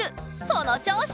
そのちょうし！